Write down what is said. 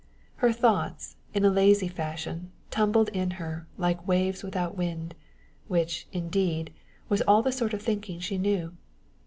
Her thoughts, in a lazy fashion, tumbled in her, like waves without wind which, indeed, was all the sort of thinking she knew.